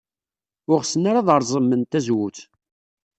Ur ɣsen ara ad reẓmen tazewwut.